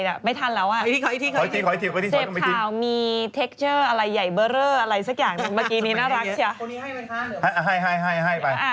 เดี๋ยวก็ถอยกลับมา